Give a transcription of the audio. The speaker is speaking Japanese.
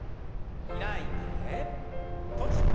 開いて閉じて。